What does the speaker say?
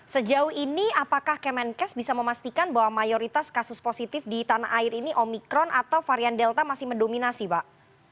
sejauh ini apakah kemenkes bisa memastikan bahwa mayoritas kasus positif di tanah air ini omikron atau varian delta masih mendominasi pak